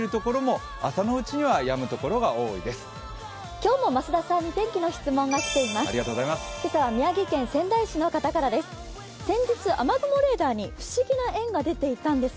今日も増田さんに天気の質問が来ています。